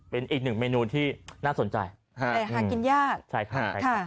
เป็นอีกหนึ่งเมนูที่น่าสนใจหากินยากค่ะใช่ค่ะ